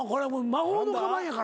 魔法のかばんやからね。